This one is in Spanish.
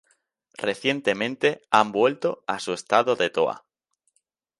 Recientemente han vuelto a su estado de Toa.